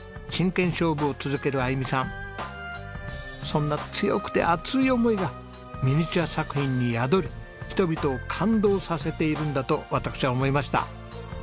そんな強くて熱い思いがミニチュア作品に宿り人々を感動させているんだと私は思いました。